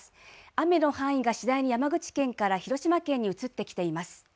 雨の範囲が次第に山口県から広島県に移ってきています。